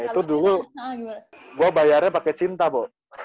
nah itu dulu gue bayarnya pakai cinta bo